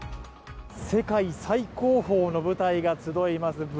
世界最高峰の舞台が集います